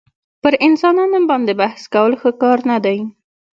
پر انسانانو باندي بحث کول ښه کار نه دئ.